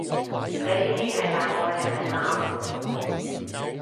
你呢啲係大愛定係濫？